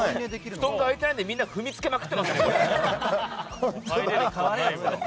布団が空いてないのでみんな踏みつけまくってますよ。